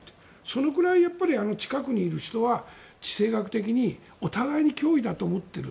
そのくらい近くにいる人は地政学的にお互いに脅威だと思っている。